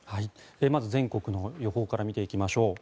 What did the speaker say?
まず全国の予報から見ていきましょう。